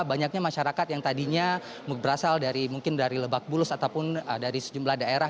banyaknya masyarakat yang tadinya berasal dari mungkin dari lebak bulus ataupun dari sejumlah daerah